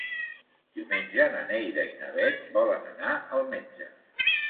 Diumenge na Neida i na Bet volen anar al metge.